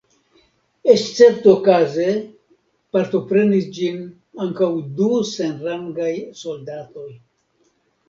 Esceptokaze partoprenis ĝin ankaǔ du senrangaj soldatoj.